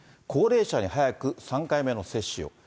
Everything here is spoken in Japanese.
高齢者に早く３回目の接種を。